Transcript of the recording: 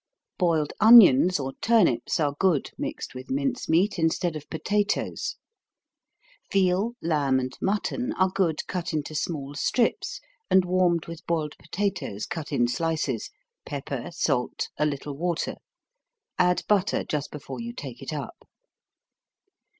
Boiled onions, or turnips, are good mixed with mince meat, instead of potatoes. Veal, lamb, and mutton, are good cut into small strips, and warmed with boiled potatoes cut in slices, pepper, salt, a little water add butter just before you take it up.